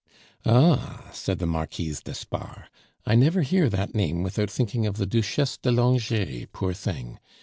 "Ah!" said the Marquise d'Espard, "I never hear that name without thinking of the Duchesse de Langeais, poor thing.